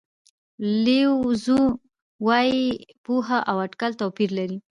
لیو زو وایي پوهه او اټکل توپیر لري.